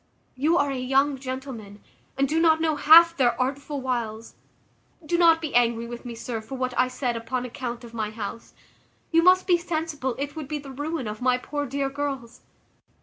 You are a young gentleman, and do not know half their artful wiles. Do not be angry with me, sir, for what I said upon account of my house; you must be sensible it would be the ruin of my poor dear girls.